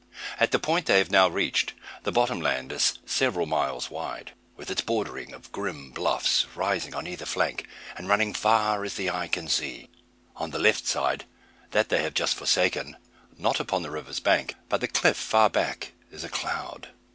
At the point they have now reached, the bottom land is several miles wide, with its bordering of grim bluffs rising on either flank, and running far as eye can see. On the left side, that they have just forsaken, not upon the river's bank, but the cliff far back, is a cloud.